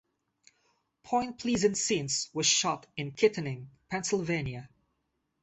Point Pleasant scenes were shot in Kittanning, Pennsylvania.